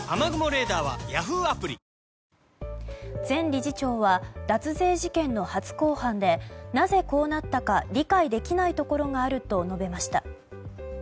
前理事長は脱税事件の初公判でなぜこうなったか理解できないことがあると述べました。